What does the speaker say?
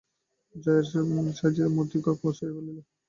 জয়ার সাহায্যে মতি ঘর গুছাইয়া ফেলিল।